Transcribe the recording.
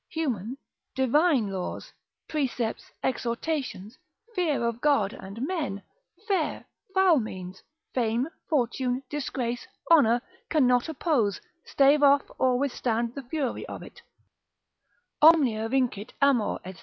Human, divine laws, precepts, exhortations, fear of God and men, fair, foul means, fame, fortune, shame, disgrace, honour cannot oppose, stave off, or withstand the fury of it, omnia vincit amor, &c.